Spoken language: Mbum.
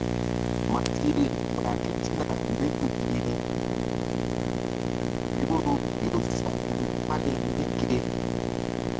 Matiye ɓah ketina mí ku i ni yoro ƴo sɔk gun ani mí ke.